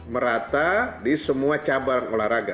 merata di semua cabang olahraga